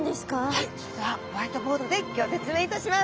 はいそれではホワイトボードでギョ説明いたします。